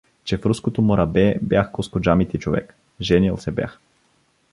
Че в руското морабе бях коскоджамити човек, женил се бях.